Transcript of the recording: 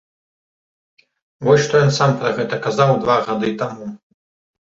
Вось што ён сам пра гэта казаў два гады таму.